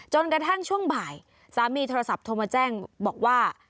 กระทั่งช่วงบ่ายสามีโทรศัพท์โทรมาแจ้งบอกว่า